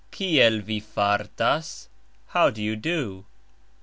Kiel vi fartas? How do you do?